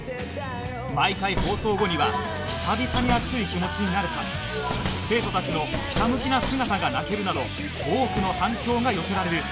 毎回放送後には「久々に熱い気持ちになれた！」「生徒たちのひたむきな姿が泣ける！」など多くの反響が寄せられる